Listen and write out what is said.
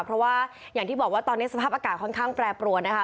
เพราะว่าอย่างที่บอกว่าตอนนี้สภาพอากาศค่อนข้างแปรปรวนนะคะ